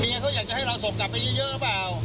เขาอยากจะให้เราส่งกลับไปเยอะหรือเปล่า